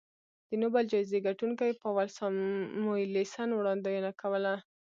د نوبل جایزې ګټونکي پاول ساموېلسن وړاندوینه کوله